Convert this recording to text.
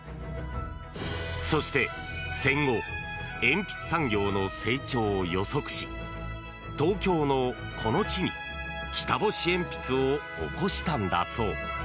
そして戦後鉛筆産業の成長を予測し東京の、この地に北星鉛筆を起こしたんだそう。